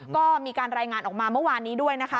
ก็มีการรายงานออกมาเมื่อวานนี้ด้วยนะคะ